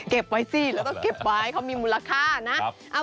เก็บไว้ซิแล้วต้องเก็บไปเขามีมูลค่านะ